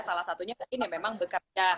salah satunya mungkin ya memang bekas